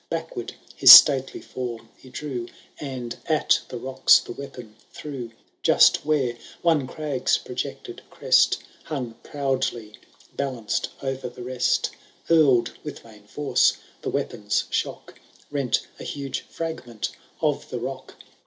Backward his stately form he drew. And at the rocks the weapon threw. Just where one crag^s projected crest Hung proudly balanced o*er the rest. HurPd with main force, the weapon's shock Rent a huge fragment of the rock.